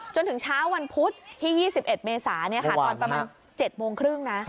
จนถึงเช้าวันพุธที่๒๑เมษาตอนประมาณ๗โมงครึ่งนะ